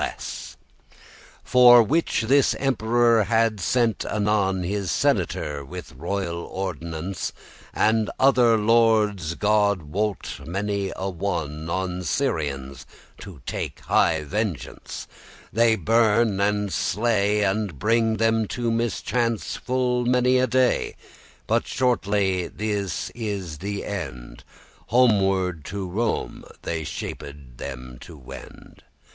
* *caused both high and low to be killed* For which this emperor had sent anon His senator, with royal ordinance, And other lordes, God wot, many a one, On Syrians to take high vengeance: They burn and slay, and bring them to mischance Full many a day: but shortly this is th' end, Homeward to Rome they shaped them to wend.